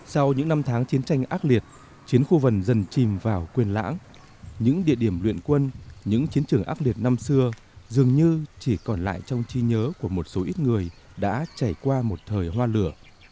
sau những năm tháng chiến tranh ác liệt chiến khu vần dần chìm vào quyền lãng những địa điểm luyện quân những chiến trường ác liệt năm xưa dường như chỉ còn lại trong chi nhớ của một số ít người đã trải qua một thời hoa lửa